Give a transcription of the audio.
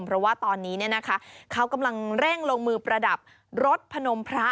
เพราะว่าตอนนี้เขากำลังเร่งลงมือประดับรถพนมพระ